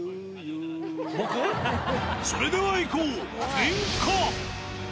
それではいこう、点火。